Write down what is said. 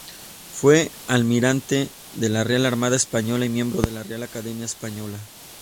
Fue almirante de la Real Armada Española y miembro de la Real Academia Española.